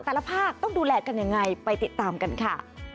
ภาคต้องดูแลกันยังไงไปติดตามกันค่ะ